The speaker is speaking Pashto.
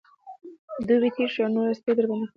دوبى تېر شي نو اسپې به در باندې خرڅوم